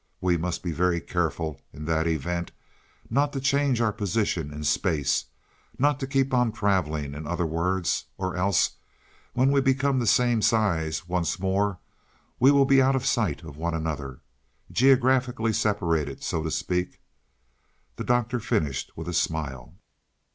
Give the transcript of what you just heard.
We must be very careful, in that event, not to change our position in space not to keep on traveling, in other words or else, when we become the same size once more, we will be out of sight of one another. Geographically separated, so to speak," the Doctor finished with a smile.